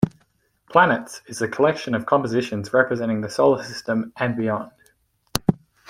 "Planets" is a collection of compositions representing the solar system and beyond.